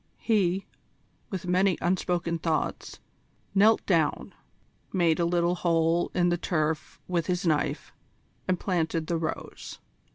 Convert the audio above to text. He, with many unspoken thoughts, knelt down, made a little hole in the turf with his knife, and planted the rose.